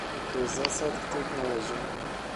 Do zasad tych należą